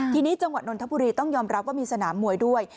ทีนี้จังหวัดนนทบุรีต้องยอมรับว่ามีสนามมวยด้วย